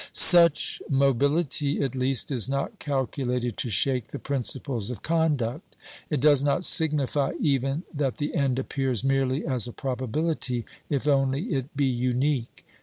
Such mobility at least is not calculated to shake the principles of conduct. It does not signify even that the end appears merely as a probability, if only it be unique.